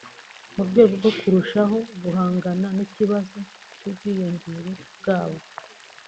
mu rwego rwo kurushaho guhangana n’ikibazo cy’ubwiyongere bwabo